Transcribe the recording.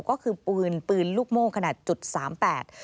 ก็คือปืนปืนลูกโม้ขนาด๐๓๘